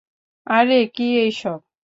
আরে কী এইসব?